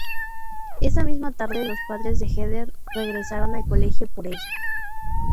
Esa misma tarde los padres de Heather regresan al colegio por ella.